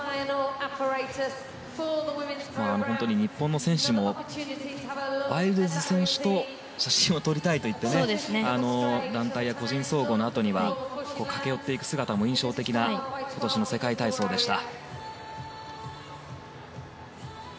本当に日本の選手もバイルズ選手と写真を撮りたいといって団体や個人総合のあとには駆け寄っていく姿も印象的な今年の世界体操でした。